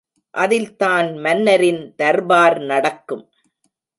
அதில் தான் மன்னரின் தர்பார் நடக்கும்.